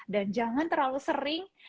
dan jangan terlalu sering